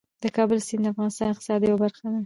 د کابل سیند د افغانستان د اقتصاد یوه برخه ده.